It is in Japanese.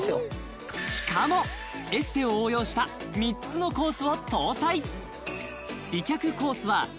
しかもエステを応用した３つのコースを搭載